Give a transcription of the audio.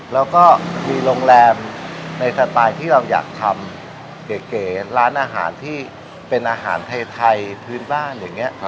แล้วก็มีโรงแรมในสไตล์ที่เราอยากทำเก๋ร้านอาหารที่เป็นอาหารไทยพื้นบ้านอย่างนี้